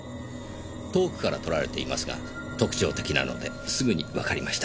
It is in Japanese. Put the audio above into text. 遠くから撮られていますが特徴的なのですぐにわかりました。